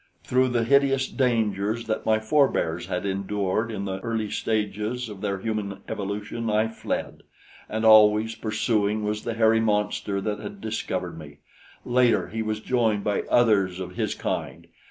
Through the hideous dangers that my forebears had endured in the earlier stages of their human evolution I fled; and always pursuing was the hairy monster that had discovered me. Later he was joined by others of his kind.